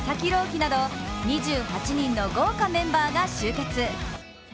希など２８人の豪華メンバーが集結。